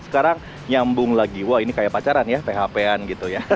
sekarang nyambung lagi wah ini kayak pacaran ya php an gitu ya